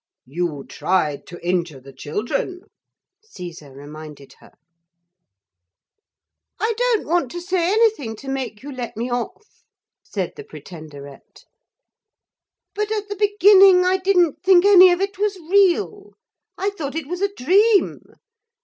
'You tried to injure the children,' Caesar reminded her. 'I don't want to say anything to make you let me off,' said the Pretenderette, 'but at the beginning I didn't think any of it was real. I thought it was a dream.